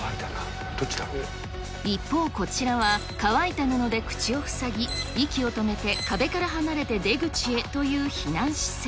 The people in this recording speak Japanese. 一方、こちらは乾いた布で口を塞ぎ、息を止めて壁から離れて出口へという避難姿勢。